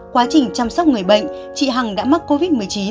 quá trình chăm sóc người bệnh chị hằng đã mắc covid một mươi chín